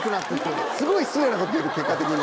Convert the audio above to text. すごい失礼なこと言うてる結果的に。